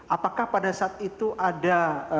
apakah pada saat itu ada